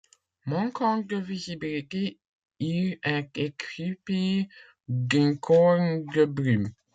Manquant de visibilité, Il est équipé d'une corne de brume.